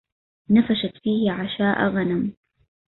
نفشت فيه عشاء غنم